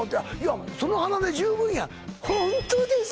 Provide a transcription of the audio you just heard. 「その鼻で十分やん」